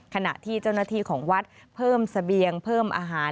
ขณะที่เจ้าหน้าที่ของวัดเพิ่มเสบียงเพิ่มอาหาร